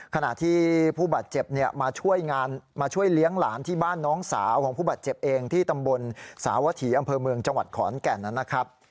ขณะที่ผู้บาดเจ็บมาช่วยงานมาช่วยเลี้ยงหลานที่บ้านน้องสาวของผู้บาดเจ็บเองที่ตำบลสาวถีอำเภอเมืองจังหวัดขอนแก่นนะครับ